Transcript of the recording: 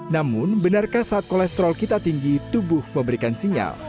namun benarkah saat kolesterol kita tinggi tubuh memberikan sinyal